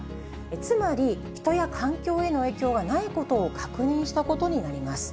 つまり人や環境への影響はないことを確認したことになります。